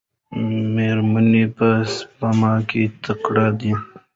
میرمنې په سپما کې تکړه دي.